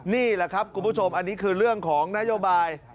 นี่แหละครับคุณผู้ชมอันนี้คือเรื่องของนโยบาย